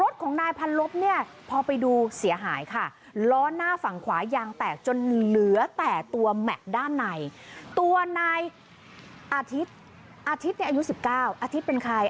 ตัวนายอาทิตย์อายุ๑๙อาทิตย์เป็นใคร